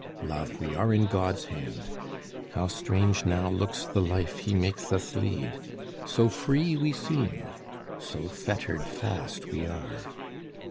Love, we are in God's hand. How strange now looks the life he makes us lead; So free we seem, so fettered fast we are!